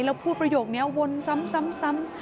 แล้วพูดประโยคนี้วนซ้ำ